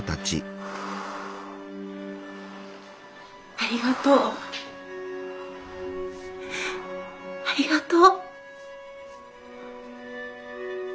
ありがとうありがとう。